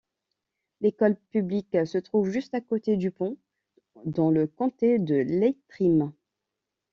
L'école publique se trouve juste à côté du pont, dans le comté de Leitrim.